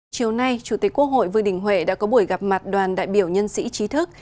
chiều nay chủ tịch quốc hội vương đình huệ đã có buổi gặp mặt đoàn đại biểu nhân sĩ trí thức